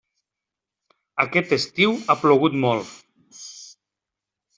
Aquest estiu ha plogut molt.